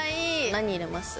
何入れます？